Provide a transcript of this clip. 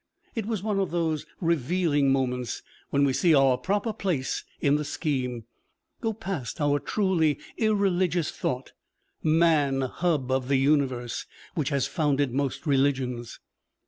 It was one of those revealing moments when we see our proper place in the scheme; go past our truly irreligious thought: 'Man, hub of the Universe!' which has founded most religions.